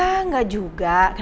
yang di sini milles